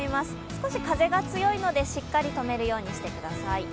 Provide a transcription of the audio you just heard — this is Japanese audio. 少し風が強いので、しっかり止めるようにしてください。